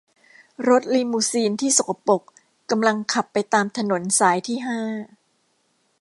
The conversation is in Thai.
รถลีมูซีนที่สกปรกกำลังขับไปตามถนนสายที่ห้า